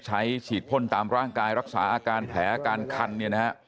ใช้ฉีดพ่นตามร่างกายรักษาอาการแผลอาการคัน